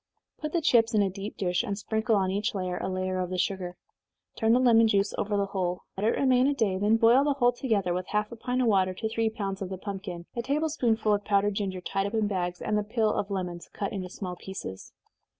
Put the chips in a deep dish, and sprinkle on each layer a layer of the sugar. Turn the lemon juice over the whole. Let it remain a day then boil the whole together, with half a pint of water to three pounds of the pumpkin, a table spoonful of powdered ginger, tied up in bags, and the peel of the lemons, cut into small pieces.